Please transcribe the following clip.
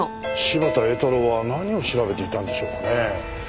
柴田英太郎は何を調べていたんでしょうかね？